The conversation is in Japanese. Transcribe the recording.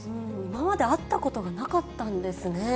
今まで会ったことがなかったんですね。